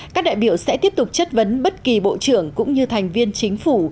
các đại biểu sẽ tiếp tục chất vấn bất kỳ bộ trưởng cũng như thành viên chính phủ